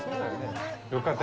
よかった。